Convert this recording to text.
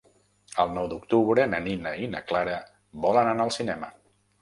El nou d'octubre na Nina i na Clara volen anar al cinema.